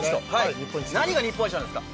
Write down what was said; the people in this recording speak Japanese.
何が日本一ですか。